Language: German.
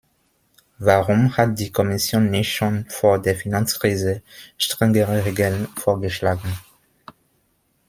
Warum hat die Kommission nicht schon vor der Finanzkrise strengere Regeln vorgeschlagen?